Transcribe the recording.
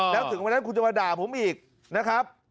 แล้วถึงวันนั้นคุณจะมาด่าผมอีกนะครับ